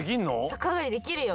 さかあがりできるよ。